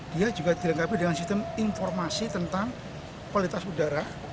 dia juga dilengkapi dengan sistem informasi tentang kualitas udara